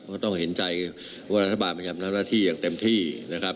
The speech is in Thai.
เพราะต้องเห็นใจว่ารัฐบาลพยายามทำหน้าที่อย่างเต็มที่นะครับ